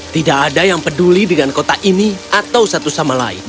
tidak ada yang peduli dengan kota ini atau satu sama lain